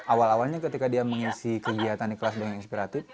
awal awalnya ketika dia mengisi kegiatan di kelas dengan inspiratif